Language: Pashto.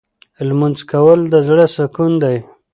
لمونځ کول د زړه سکون دی.